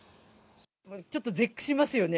ちょっと絶句しますよね。